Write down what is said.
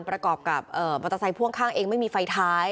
ประกอบกับบัตรไทยพ่วงข้างเองไม่มีไฟท้าย